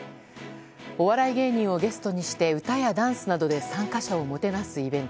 お笑い芸人をゲストにして歌やダンスなどで参加者をもてなすイベント。